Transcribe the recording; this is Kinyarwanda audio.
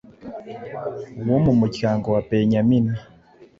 wo mu muryango wa Benyamini.